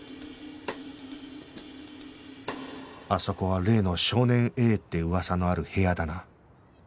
あそこは例の少年 Ａ って噂のある部屋だな